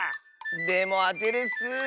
でもあてるッス。